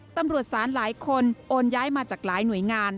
ตำรวจศาลหลายคนโอนย้ายมาจากหลายหน่วยงาน